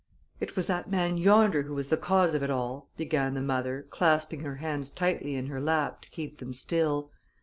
"It was that man yonder who was the cause of it all," began the mother, clasping her hands tightly in her lap to keep them still.